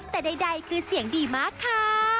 แต่ใดคือเสียงดีมากค่ะ